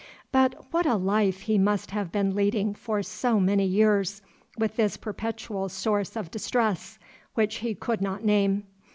But what a life he must have been leading for so many years, with this perpetual source of distress which he could not name!